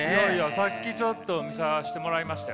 さっきちょっと見させてもらいましたよ。